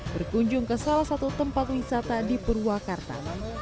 berkunjung ke salah satu tempat wisata di purwakarta